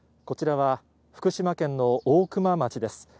こちらは福島県の大熊町です。